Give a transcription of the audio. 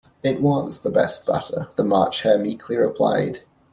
‘It was the best butter,’ the March Hare meekly replied.